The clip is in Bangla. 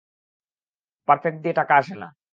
পারফ্যাক্ট দিয়ে টাকা আসে না।